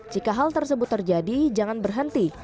jika hal tersebut terjadi jangan berhenti